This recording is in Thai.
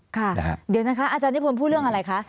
ค่ะเดี๋ยวนะคะอาจารย์นิพนธ์พูดเรื่องอะไรคะ